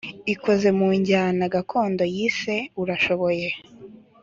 ikoze mu njyana gakondo yise Urashoboye